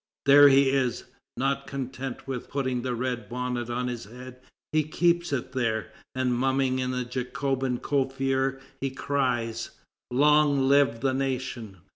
There he is! Not content with putting the red bonnet on his head, he keeps it there, and mumming in the Jacobin coiffure, he cries: "Long live the nation!"